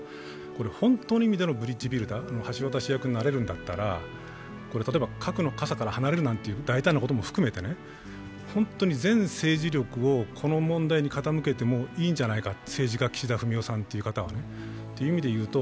これ本当の意味でのブリッジビルダー、橋渡し役になれるんだったら核の傘から離れるなんていう大胆なことも含めて、全政治力をこの問題に傾けてもいいんじゃないか、政治家・岸田文雄さんという方はね。